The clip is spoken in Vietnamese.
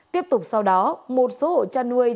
tiếp tục sau đó một số hộ chăn nuôi